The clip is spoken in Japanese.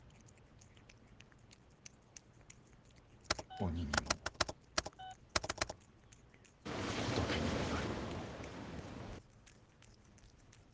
鬼にも仏にもなる者は。